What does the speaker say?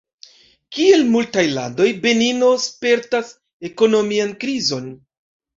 Kiel multaj landoj, Benino spertas ekonomian krizon.